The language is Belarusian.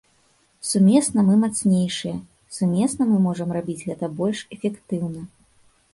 Сумесна мы мацнейшыя, сумесна мы можам рабіць гэта больш эфектыўна.